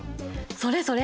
それそれ！